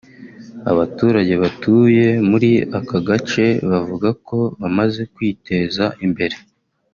Abaturage batuye muri aka gace bavuga ko bamaze kwiteza imbere